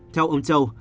theo ông châu